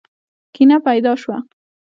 کینه پیدا شوه.